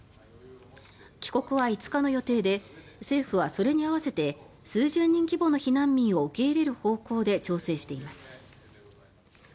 帰国は５日の予定で政府はそれに合わせて数十人規模の避難民を受け入れる方向で調整しています。